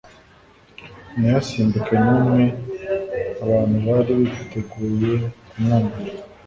ntihasimbuke numwe abantu bari biteguye kumwumvira